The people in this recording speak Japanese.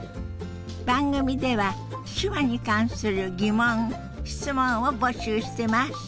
番組では手話に関する疑問質問を募集してます。